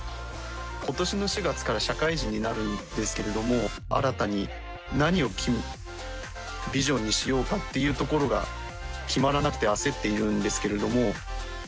今年の４月から社会人になるんですけれども新たに何をビジョンにしようかっていうところが決まらなくて焦っているんですけれども。